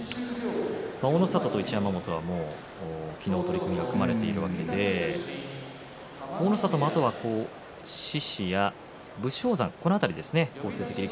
大の里と一山本は昨日、取組が組まれているわけで大の里は、あと獅司や武将山この辺りですね